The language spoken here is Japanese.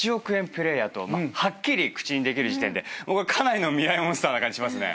プレーヤーとはっきり口にできる時点でかなりのミライ☆モンスターな感じしますね。